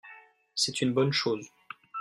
c'est une bonne chose.